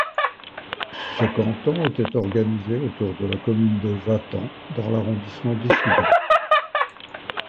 Ce canton était organisé autour de la commune de Vatan, dans l'arrondissement d'Issoudun.